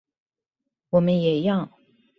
我們也要